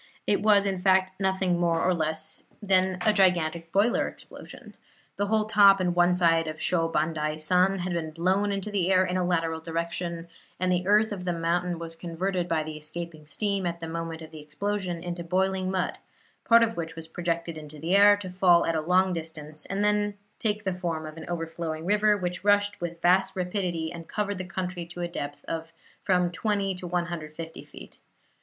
It was, in fact, nothing more nor less than a gigantic boiler explosion. The whole top and one side of Sho Bandai san had been blown into the air in a lateral direction, and the earth of the mountain was converted by the escaping steam, at the moment of the explosion, into boiling mud, part of which was projected into the air to fall at a long distance, and then take the form of an overflowing river, which rushed with vast rapidity and covered the country to a depth of from 20 to 150 feet.